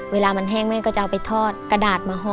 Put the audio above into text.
เวลามันแห้งแม่ก็จะเอาไปทอดกระดาษมาห่อ